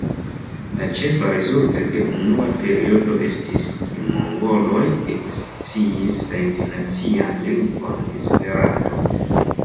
La ĉefa rezulto de unua periodo estis, ke mongoloj eksciis la Internacian lingvon Esperanto.